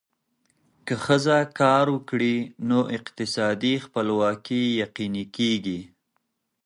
که ښځه کار وکړي، نو اقتصادي خپلواکي یقیني کېږي.